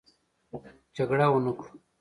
جګړه ونه کړو.